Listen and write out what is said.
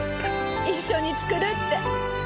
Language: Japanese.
一緒に作るって。